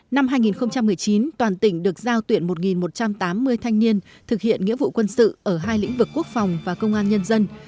năm hai nghìn một mươi chín toàn tỉnh được giao tuyển một một trăm tám mươi thanh niên thực hiện nghĩa vụ quân sự ở hai lĩnh vực quốc phòng và công an nhân dân